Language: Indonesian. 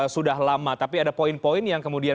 sudah lama tapi ada poin poin yang kemudian